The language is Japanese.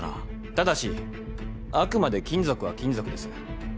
ただしあくまで金属は金属です。